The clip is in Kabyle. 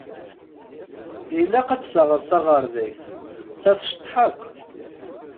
Ilaq ad d-taɣeḍ taɣerdayt, ta tceṭṭeḥ akk.